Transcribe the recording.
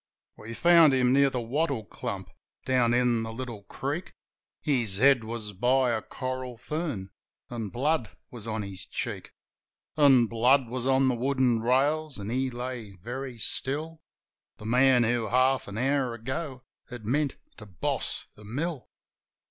MURRAY'S RIDE 73 We found him near the wattle clump, down in the little creek. His head was by a coral fern, an' blood was on his cheek. An' blood was on the wooden rails, an' he lay very still, The man who half an hour ago had meant to boss the mill